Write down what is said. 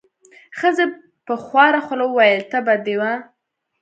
ښځې په خواره خوله وویل: تبه دې وه.